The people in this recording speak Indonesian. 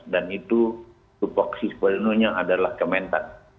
dan itu suatu paksis polinonya adalah kementan